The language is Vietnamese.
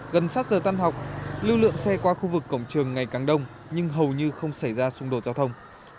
gần sát giờ tan học lưu lượng xe qua khu vực cổng trường ngày càng đông nhưng hầu như không xảy ra xung đột giao thông